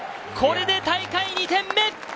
これ大会２点目！